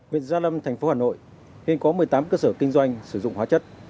viện gia lâm tp hà nội hiện có một mươi tám cơ sở kinh doanh sử dụng hóa chất